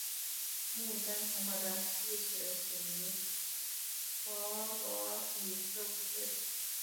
木登城堡的历史始于弗罗里斯五世。